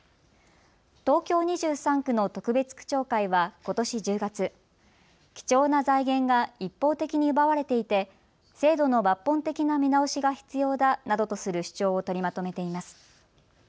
東京２３区の特別区長会はことし１０月、貴重な財源が一方的に奪われていて制度の抜本的な見直しが必要だなどとする主張を取りまとめています。